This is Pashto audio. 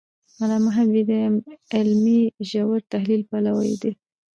علامه حبيبي د علمي ژور تحلیل پلوی و.